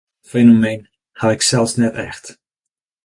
In útlis foar dat fenomeen haw ik sels net echt.